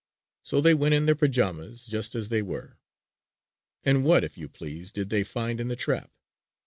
So they went in their pajamas, just as they were. And what, if you please, did they find in the trap?